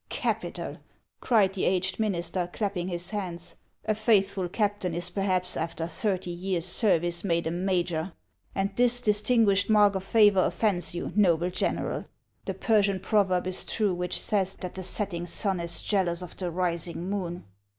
" Capital !" cried the aged minister, clapping his hands. ''• A faithful captain is perhaps, after thirty years' service, made a major ; and this distinguished mark of favor offends you, noble general ? The Persian proverb is true which says that the setting siin is jealous of the rising moon."